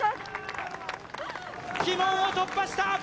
鬼門を突破した！